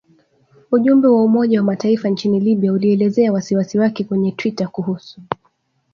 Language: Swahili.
Ujumbe wa Umoja wa Mataifa nchini Libya ulielezea wasiwasi wake kwenye twitter kuhusu